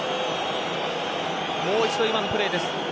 もう一度、今のプレーです。